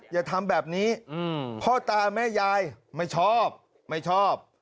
อย่าทำแบบนี้พ่อตาแม่ยายไม่ชอบไม่ชอบ